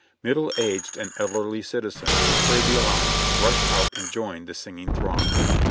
Middle aged and elderly citizens who heard the alarm rushed out and joined the singing throng.